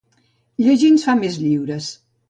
Llegir ens fa més lliures.